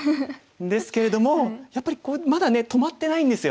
ですけれどもやっぱりまだね止まってないんですよ。